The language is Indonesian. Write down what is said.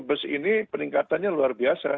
bus ini peningkatannya luar biasa